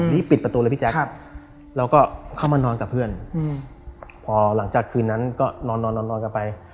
ปิดประตูเลยพี่แจ๊คแล้วก็เข้ามานอนกับเพื่อนพอหลังจากคืนนั้นก็นอนนอนกันไป